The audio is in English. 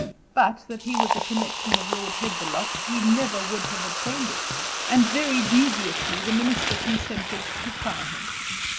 But that he was a connection of Lord Headthelot's he never would have obtained it, and very dubiously the minister consented to try him.